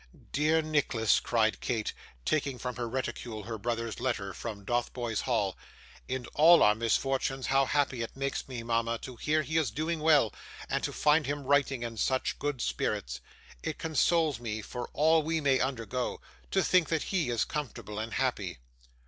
'Dear Nicholas!' cried Kate, taking from her reticule her brother's letter from Dotheboys Hall. 'In all our misfortunes, how happy it makes me, mama, to hear he is doing well, and to find him writing in such good spirits! It consoles me for all we may undergo, to think that he is comfortable and happy.